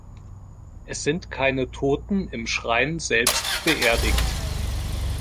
Es sind keine Toten im Schrein selbst beerdigt.